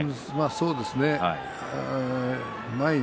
そうですね。